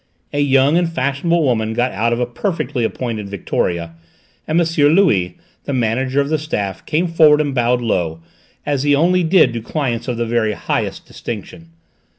A young and fashionable woman got out of a perfectly appointed victoria, and M. Louis, the manager of the staff, came forward and bowed low, as he only did to clients of the very highest distinction.